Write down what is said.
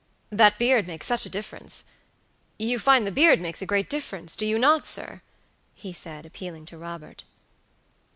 That beard makes such a difference. You find the beard makes a great difference, do you not, sir?" he said, appealing to Robert.